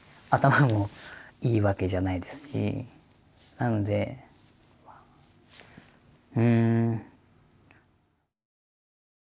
なのでうん。